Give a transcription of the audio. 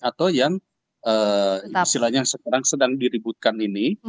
atau yang istilahnya sekarang sedang diributkan ini